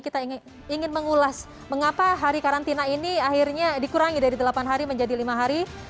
kita ingin mengulas mengapa hari karantina ini akhirnya dikurangi dari delapan hari menjadi lima hari